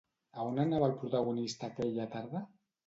A on anava el protagonista aquella tarda?